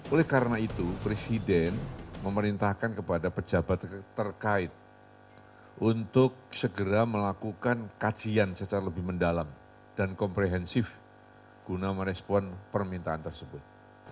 oleh karena itu presiden memerintahkan kepada pejabat terkait untuk segera melakukan kajian secara lebih mendalam dan komprehensif guna merespon permintaan tersebut